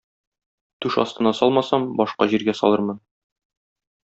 Түш астына салмасам, башка җиргә салырмын.